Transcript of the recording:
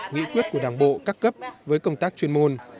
nghị quyết của đảng bộ các cấp với công tác chuyên môn